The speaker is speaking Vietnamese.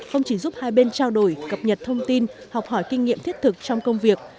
không chỉ giúp hai bên trao đổi cập nhật thông tin học hỏi kinh nghiệm thiết thực trong công việc